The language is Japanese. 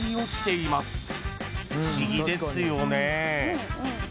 ［不思議ですよね？］